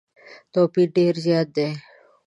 توپیر ډېر زیات دی.